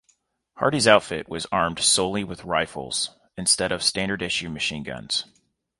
Hardy's outfit was armed solely with rifles, instead of standard-issue machine guns.